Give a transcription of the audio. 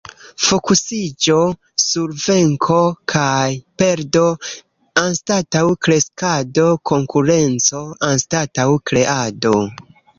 Fokusiĝo sur venko kaj perdo, anstataŭ kreskado; konkurenco anstataŭ kreado.